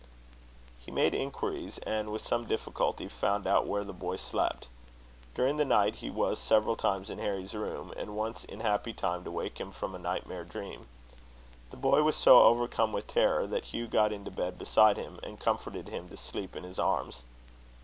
He made inquiries, and, with some difficulty, found out where the boy slept. During the night he was several times in Harry's room, and once in happy time to wake him from a nightmare dream. The boy was so overcome with terror, that Hugh got into bed beside him and comforted him to sleep in his arms.